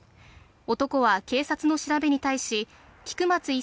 男は警察の調べに対し、菊松１